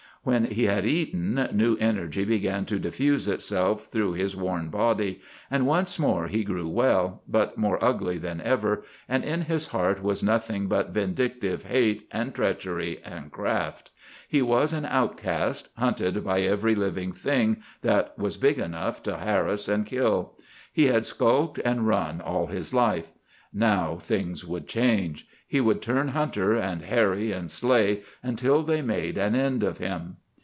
When he had eaten, new energy began to diffuse itself through his worn body, and once more he grew well, but more ugly than ever, and in his heart was nothing but vindictive hate, and treachery, and craft. He was an outcast, hunted by every living thing that was big enough to harass and kill. He had skulked and run all his life. Now things would change. He would turn hunter, and harry and slay until they made an end of him.